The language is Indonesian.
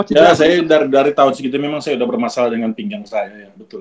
iya saya dari dari tahun segitu memang saya udah bermasalah dengan pinggang saya ya betul